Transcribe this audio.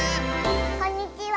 こんにちは。